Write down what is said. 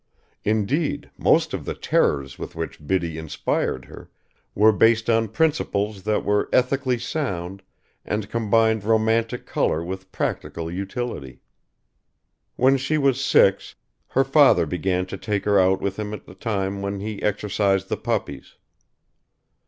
Indeed most of the terrors with which Biddy inspired her were based on principles that were ethically sound and combined romantic colour with practical utility. When she was six her father began to take her out with him at the time when he exercised the puppies.